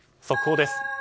速報です。